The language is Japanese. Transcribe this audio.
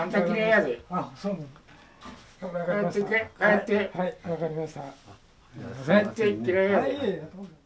はい分かりました。